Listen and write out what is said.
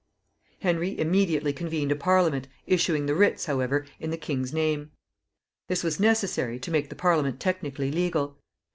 Henry immediately convened a Parliament, issuing the writs, however, in the king's name. This was necessary, to make the Parliament technically legal.